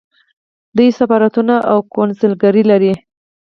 دوی سفارتونه او کونسلګرۍ لري.